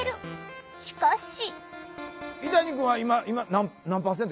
しかし。